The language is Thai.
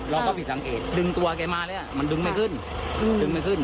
เราก็ผิดสังเกตดึงตัวแกมาแล้วมันดึงไม่ขึ้น